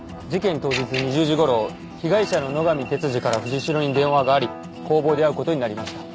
当日２０時ごろ被害者の野上哲司から藤代に電話があり工房で会うことになりました。